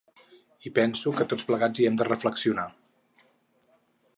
I penso que tots plegats hi hem de reflexionar.